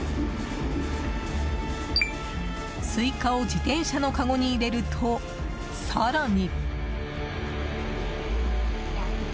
スイカを自転車のかごに入れると更に。